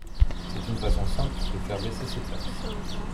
C’est une façon simple de faire baisser ses taxes.